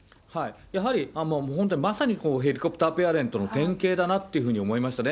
やはり、本当にまさにヘリコプターペアレントの典型だなっていうふうに思いましたね。